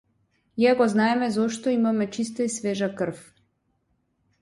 Иако знаеме зошто имаме чиста и свежа крв.